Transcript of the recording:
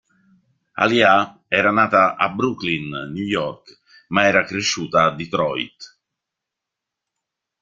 Aaliyah era nata a Brooklyn, New York, ma era cresciuta a Detroit.